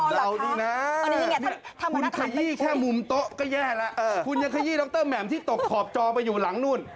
เราดีนะคุณขยี้แค่มุมโต๊ะก็แย่แล้วคุณยังขยี้ดรแหม่มที่ตกขอบจอไปอยู่หลังนู่น